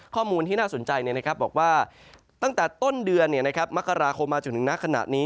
ข้อมูลที่น่าสนใจนะครับบอกว่าตั้งแต่ต้นเดือนมกราโคมาจนถึงนักขนาดนี้